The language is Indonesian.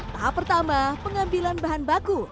tahap pertama pengambilan bahan baku